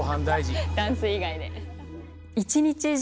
ダンス以外で。